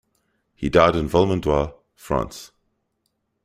He died in Valmondois, France.